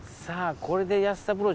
さあこれで安田